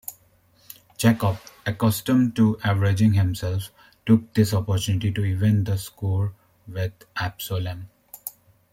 Joab, accustomed to avenging himself, took this opportunity to even the score with Absalom.